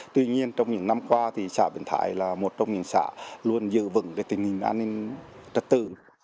tuy nhiên trong những năm qua xã vĩnh thái là một trong những xã luôn dự vững tình hình an ninh trật tự